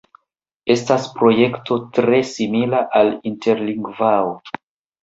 Estas projekto tre simila al Interlingvao.